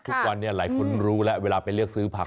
ทุกวันนี้หลายคนรู้แล้วเวลาไปเลือกซื้อผัก